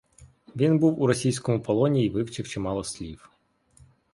Він був у російському полоні й вивчив чимало слів.